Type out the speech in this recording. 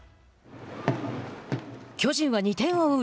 巨人は２点を追う